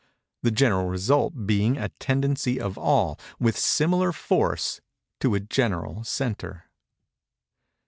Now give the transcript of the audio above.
the general result being a tendency of all, with a similar force, to a general centre."